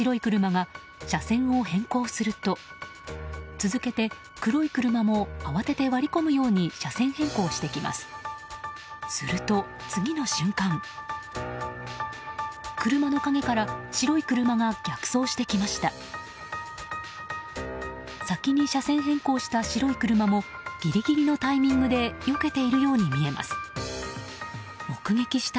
車の陰から白い車が逆走してきました。